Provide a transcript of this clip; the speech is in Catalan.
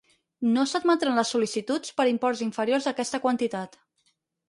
No s'admetran les sol·licituds per imports inferiors a aquesta quantitat.